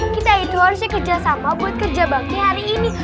kita itu harusnya kerjasama buat kerja bakti hari ini